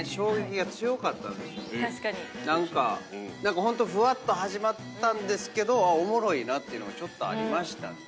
何かホントふわっと始まったんですけどおもろいなっていうのがちょっとありましたんで。